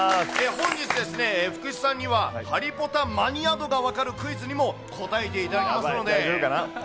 本日、福士さんにはハリポタマニア度が分かるクイズにも答えていただき大丈夫かな。